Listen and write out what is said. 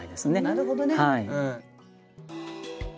なるほどね。